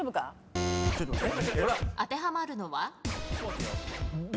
当てはまるのは？